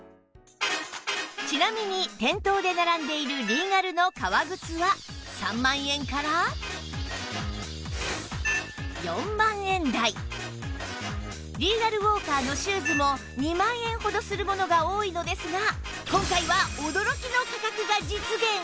ちなみに店頭で並んでいるリーガルの革靴は３万円から４万円台リーガルウォーカーのシューズも２万円ほどするものが多いのですが